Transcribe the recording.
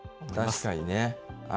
確かにね。